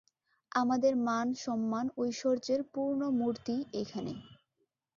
আমাদের মান-সম্মান-ঐশ্বর্যের পূর্ণ মূর্তিই এখানে।